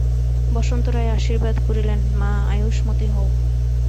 বসন্ত রায় আশীর্বাদ করিলেন, মা, আয়ুষ্মতী হও।